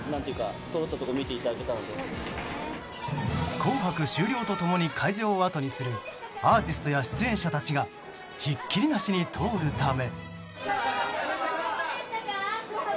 「紅白」終了とともに会場を後にするアーティストや出演者たちがひっきりなしに通るため。